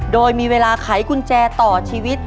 โดยมีเวลาไขกุญแจต่อชีวิต